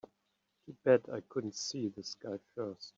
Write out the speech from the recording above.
Too bad I couldn't see this guy first.